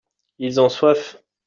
ils ont soif.